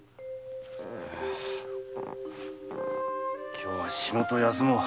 今日は仕事を休もう。